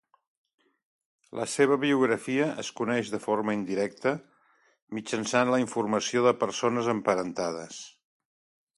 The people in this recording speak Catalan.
La seva biografia es coneix de forma indirecta, mitjançant la informació de persones emparentades.